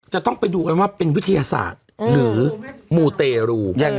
จะต้องไปดูกันว่าเป็นวิทยาศาสตร์หรือมูเตรู